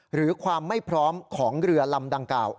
หรือความไม่พร้อมของเรือลำดังกล่าว